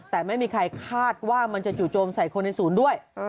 แต่ไม่มีใครคาดว่ามันจะจู่โจมใส่คนในศูนย์ด้วย